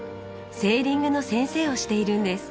セーリングの先生をしているんです。